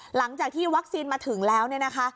หลังจากที่วัคซีนมาถึงแล้วเนี่ยนะคะ